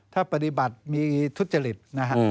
ถ้าปฏิบัติมีทุจริตนะฮะ